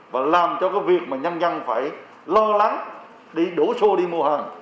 và làm cho cái việc mà nhân dân phải lo lắng đi đổ xô đi mua hàng